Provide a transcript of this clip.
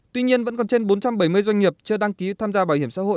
tuy nhiên vẫn còn trên bốn trăm bảy mươi doanh nghiệp chưa đăng ký tham gia bảo hiểm xã hội